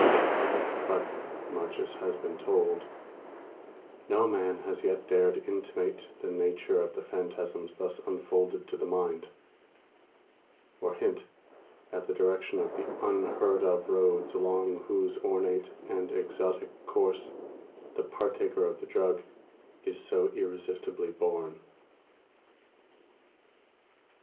But much as has been told, no man has yet dared intimate the nature of the phantasms thus unfolded to the mind, or hint at the direction of the unheard of roads along whose ornate and exotic course the partaker of the drug is so irresistibly borne.